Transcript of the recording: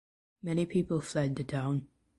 Many people fled the town.